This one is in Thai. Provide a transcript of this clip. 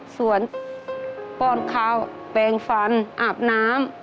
สวนป้อนข้าวแปลงฟันอาบน้ำ